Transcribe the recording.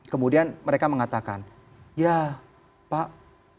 kemudian mereka mengatakan ya pak kok diambil lampunya